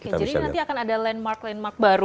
oke jadi nanti akan ada landmark landmark baru